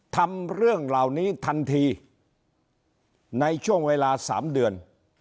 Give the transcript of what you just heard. ทำเรื่องเหล่านี้ทันทีในช่วงเวลา๓เดือน